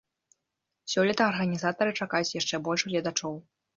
Сёлета арганізатары чакаюць яшчэ больш гледачоў.